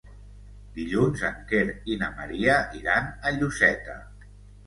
Dilluns en Quer i na Maria iran a Lloseta.